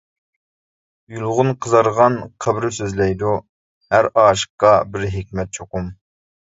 يۇلغۇن قىزارغان قەبرە سۆزلەيدۇ، ھەر ئاشىققا بىر ھېكمەت چوقۇم.